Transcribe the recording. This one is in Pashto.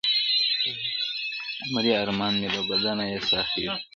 o مري ارمان مي له بدنه یې ساه خېژي,